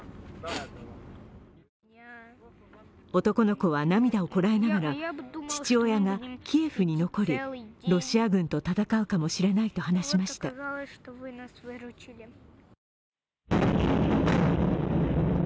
男の子は涙をこらえながら、父親がキエフに残りロシア軍と戦うかもしれないと話しました。